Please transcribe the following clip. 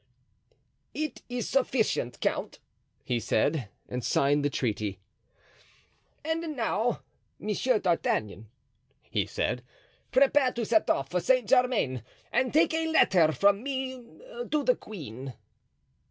"It is sufficient, count," he said, and signed the treaty. "And now, Monsieur d'Artagnan," he said, "prepare to set off for Saint Germain and take a letter from me to the queen."